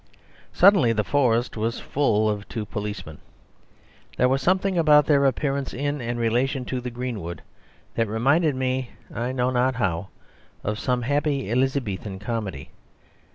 Suddenly the forest was full of two policemen; there was something about their appearance in and relation to the greenwood that reminded me, I know not how, of some happy Elizabethan comedy.